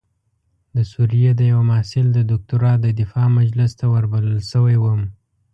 د سوریې د یوه محصل د دکتورا د دفاع مجلس ته وربلل شوی وم.